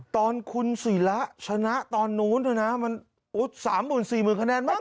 ตอนขุนศีราชนะตอนนู้นเถอะนะมัน๓๐๐๐๐๔๐๐๐๐คะแนนมั้ง